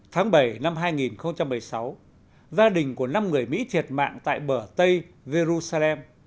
tháng bảy năm hai nghìn một mươi sáu gia đình của năm người mỹ thiệt mạng tại bờ tây jerusalem